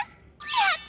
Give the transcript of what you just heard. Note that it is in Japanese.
やった！